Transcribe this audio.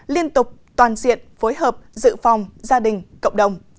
liên tục toàn diện phối hợp dự phòng gia đình cộng đồng